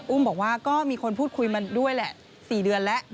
บอกว่าก็มีคนพูดคุยมาด้วยแหละ๔เดือนแล้ว